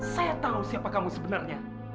saya tahu siapa kamu sebenarnya